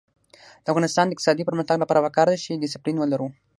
د افغانستان د اقتصادي پرمختګ لپاره پکار ده چې دسپلین ولرو.